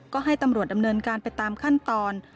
ก็ให้ตำรวจดำเนินการไปตามขั้นตอน